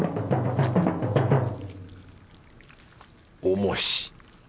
重し！